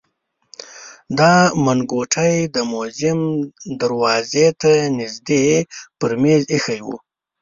دا منګوټی د موزیم دروازې ته نژدې پر مېز ایښی و.